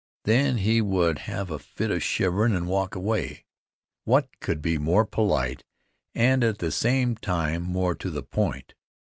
Then he would have a fit of shiverin' and walk away. What could be more polite and, at the same time, more to the point?